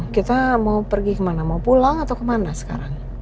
kita mau pergi kemana mau pulang atau kemana sekarang